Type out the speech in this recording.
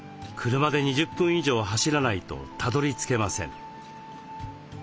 車で２０分以上走らないとたどり着けません。